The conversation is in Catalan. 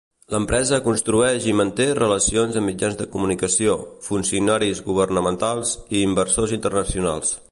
L'empresa construeix i manté relacions amb mitjans de comunicació, funcionaris governamentals i inversors internacionals.